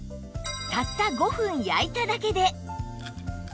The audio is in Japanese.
たった５分焼いただけで